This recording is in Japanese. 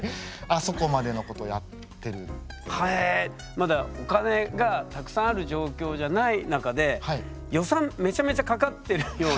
まだお金がたくさんある状況じゃない中で予算めちゃめちゃかかってるような。